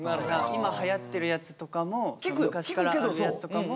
今はやってるやつとかも昔からあるやつとかも。